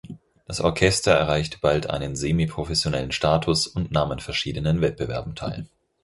Das Orchester erreichte bald einen semi-professionellen Status und nahm an verschiedenen Wettbewerben teil.